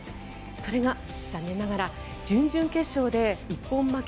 それが残念ながら準々決勝で一本負け。